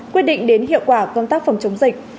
quyết định đến hiệu quả công tác phòng chống dịch